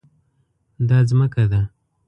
دا ځمکه ده